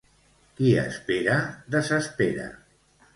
Qui espera, desespera.